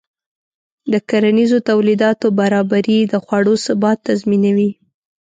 د کرنیزو تولیداتو برابري د خوړو ثبات تضمینوي.